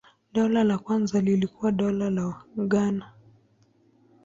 Dola la kwanza lilikuwa Dola la Ghana.